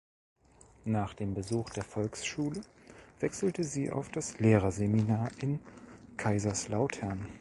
Nach dem Besuch der Volksschule wechselte sie auf das Lehrerseminar in Kaiserslautern.